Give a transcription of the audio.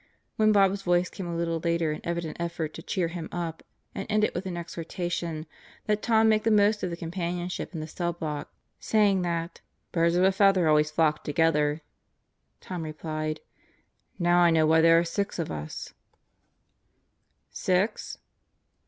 When Bob's voice came a little later in evident effort to cheer him up and ended with an exhortation that Tom make the most of the companionship in the cell block saying that "birds of a feather always flock together," Tom replied: "Now I know why there are six of us." 96 God Goes to Murderer's Row "Six?"